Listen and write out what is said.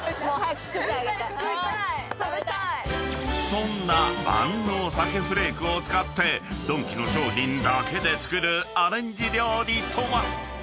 ［そんな万能鮭フレークを使ってドンキの商品だけで作るアレンジ料理とは？］